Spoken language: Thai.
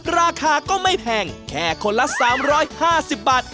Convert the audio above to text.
ราคาก็ไม่แพงแค่คนละ๓๕๐บาท